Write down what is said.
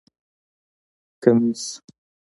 👗 کمېس